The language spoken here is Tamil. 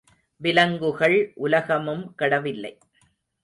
விலங்குகள் உலகமும் கெடவில்லை.